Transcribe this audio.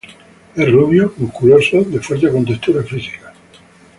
Es rubio, musculoso, de fuerte contextura física.